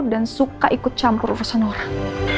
dan suka ikut campur urusan orang